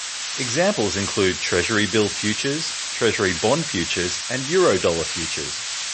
Examples include Treasury-bill futures, Treasury-bond futures and Eurodollar futures.